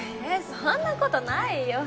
そんなことないよ